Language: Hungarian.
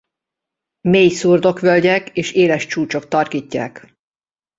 Mély szurdokvölgyek és éles csúcsok tarkítják.